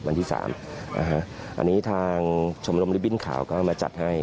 วันที่สามอ่าฮะอันนี้ทางชมรมริบินข่าวก็มาจัดให้